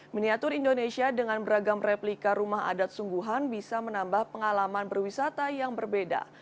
miniatur indonesia dengan beragam replika rumah adat sungguhan bisa menambah pengalaman berwisata yang berbeda